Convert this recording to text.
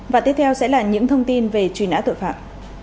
và tiếp theo sẽ là những thông tin về truy nã tội phạm